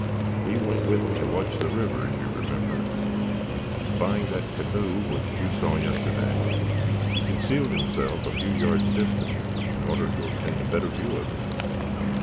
He went with me to watch the river, as you remember. Espying that canoe which you saw yesterday, he concealed himself a few yards distant, in order to obtain a better view of it.